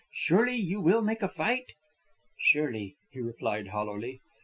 "Surely you will make a fight?" "Surely," he replied, hollowly.